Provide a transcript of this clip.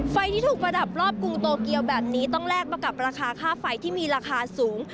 ไฟที่ถูกประดับรอบกรุงโตเกียวแบบนี้ต้องแลกมากับราคาค่าไฟที่มีราคาสูง